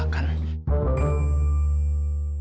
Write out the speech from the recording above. cara makannya pak